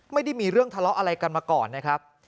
ไม่ได้มีเรื่องทะเลาะอะไรกันมาก่อนนะครับ